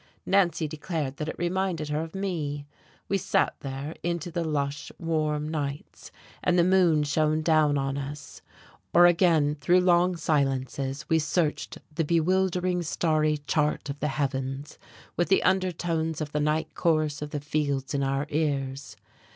Nancy declared that it reminded her of me. We sat there, into the lush, warm nights, and the moon shone down on us, or again through long silences we searched the bewildering, starry chart of the heavens, with the undertones of the night chorus of the fields in our ears.